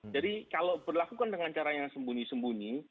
jadi kalau berlakukan dengan cara yang sembunyi sembunyi